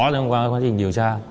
trong quá trình điều tra